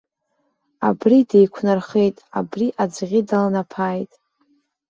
Абри деиқәнархеит, абри аӡӷьы далнаԥааит.